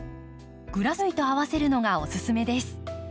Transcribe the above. グラス類と合わせるのがおすすめです。